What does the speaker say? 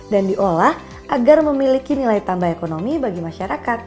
dan diolah agar memiliki nilai tambah ekonomi bagi masyarakat